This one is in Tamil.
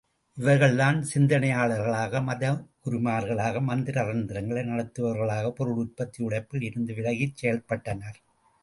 இவர்கள்தான் சிந்தனையாளர்களாக, மதகுருமார்களாக, மந்திர தந்திரங்களை நடத்துபவர்களாக, பொருளுற்பத்தி உழைப்பில் இருந்து விலகிச் செயல்பட்டனர்.